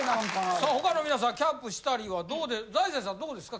さあ他の皆さんキャンプしたりはどう財前さんどうですか？